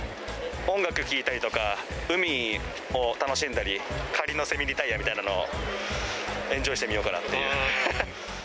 音楽聴いたりとか、海を楽しんだり、仮のセミリタイアみたいなのをエンジョイしてみようかなっていう。